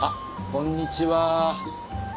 こんにちは。